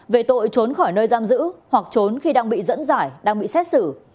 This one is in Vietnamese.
về tội trốn khỏi nơi giam giữ hoặc trốn khi đang bị dẫn giải đang bị xét xử